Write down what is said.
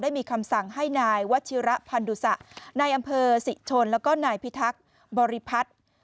มีคำสั่งให้นายวัชิระพันดุสะนายอำเภอศรีชนแล้วก็นายพิทักษ์บริพัฒน์